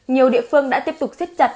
nhiều địa phương đã tiếp tục xếp chặt